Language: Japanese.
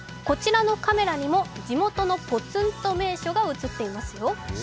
こちらのカメラには地元のぽつんと名所が映っていますよ。